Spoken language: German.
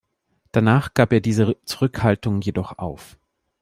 Danach gab er diese Zurückhaltung jedoch auf.